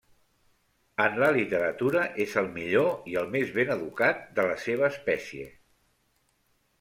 En la literatura és el millor i el més ben educat de la seva espècie.